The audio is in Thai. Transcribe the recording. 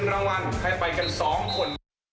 รางวัลให้ไปกัน๒คน